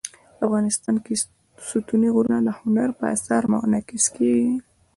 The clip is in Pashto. افغانستان کې ستوني غرونه د هنر په اثار کې منعکس کېږي.